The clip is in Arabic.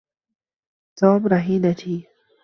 توم رهينتي.